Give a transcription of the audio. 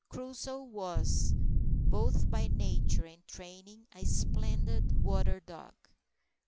Crusoe was, both by nature and training, a splendid water dog.